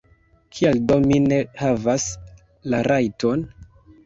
Kial do mi ne havas la rajton?